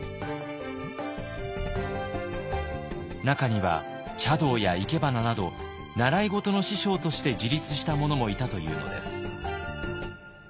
中には茶道や生け花など習い事の師匠として自立した者もいたというのです。